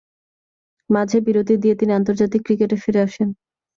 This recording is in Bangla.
মাঝে বিরতি দিয়ে তিনি আন্তর্জাতিক ক্রিকেটে ফিরে আসেন।